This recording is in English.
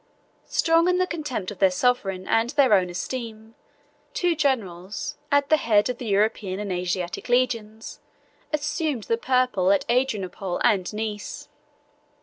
Strong in the contempt of their sovereign and their own esteem, two generals, at the head of the European and Asiatic legions, assumed the purple at Adrianople and Nice.